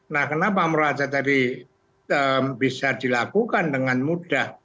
nah kenapa moral hajat tadi bisa dilakukan dengan mudah